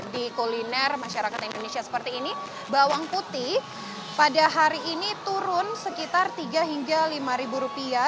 di kuliner masyarakat indonesia seperti ini bawang putih pada hari ini turun sekitar tiga hingga lima ribu rupiah